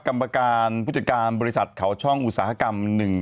กรรมการผู้จัดการบริษัทเขาช่องอุตสาหกรรมหนึ่ง